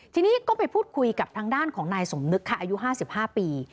ทีนี้ก็ไปพูดคุยกับทางด้านของนายสมนึกค่ะอายุ๕๕ปี